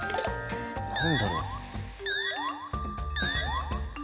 何だろう？